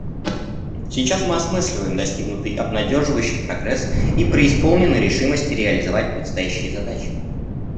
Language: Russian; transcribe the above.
Сейчас мы осмысливаем достигнутый обнадеживающий прогресс и преисполнены решимости реализовать предстоящие задачи.